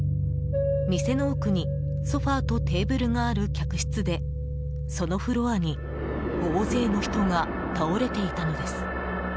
店の奥にソファとテーブルがある客室でそのフロアに大勢の人が倒れていたのです。